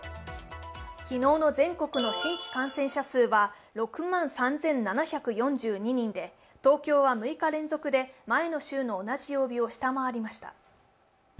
昨日の全国の新規感染者数は６万３７４２人で東京は６日連続で前の週の同じ曜日を下回りました。